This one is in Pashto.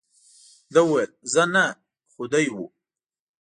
ده وویل، زه نه، خو دی وو.